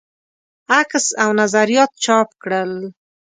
عکس او نظریات چاپ کړل.